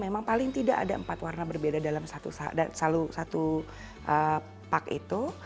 memang paling tidak ada empat warna berbeda dalam satu pak itu